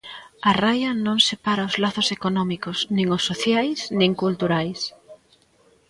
A raia non separa os lazos económicos, nin os sociais, nin culturais.